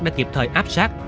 đã kịp thời áp sát